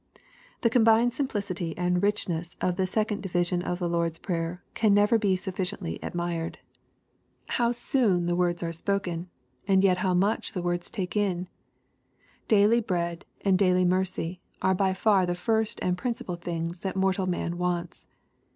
The combined simplicityand richness of theseconddivi sion of the Lord's Prayer can never be sufficiently admired. LUKE^ CHAP. XI. 5 How soon the words are spoken 1 And yet how niucli the words take in I Daily bread and daily mercy are by far the first and principal things that mortal man wants.